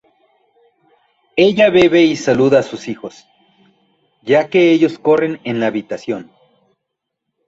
Ella bebe y saluda a sus hijos, ya que ellos corren en la habitación.